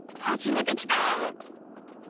初めて来た！